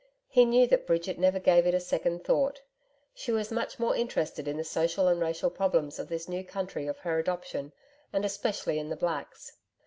He knew that Bridget never gave it a second thought. She was much more interested in the social and racial problems of this new country of her adoption, and especially in the blacks.